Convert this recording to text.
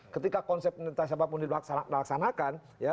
ketika konsep entah siapapun dilaksanakan